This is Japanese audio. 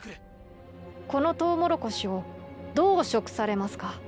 この「トウモロコシ」をどう食されますか？